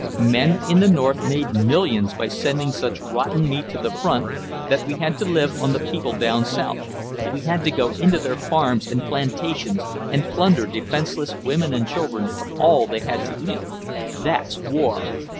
Men in the North made millions by sending such rotten meat to the front that we had to live on the people down South, we had to go into their farms and plantations and plunder defenseless women and children of all they had to eat! That's war!